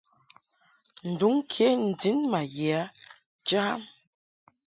Nduŋ ke n-din ma ye a jam.